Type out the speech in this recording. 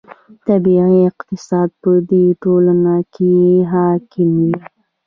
طبیعي اقتصاد په دې ټولنو کې حاکم و.